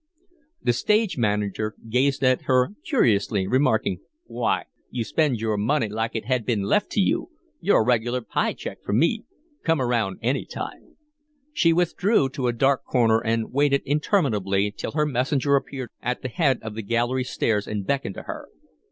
The stage manager gazed at her curiously, remarking, "My! You spend your money like it had been left to you. You're a regular pie check for me. Come around any time." She withdrew to a dark corner and waited interminably till her messenger appeared at the head of the gallery stairs and beckoned to her.